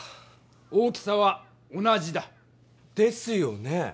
大きさは同じだ。ですよね！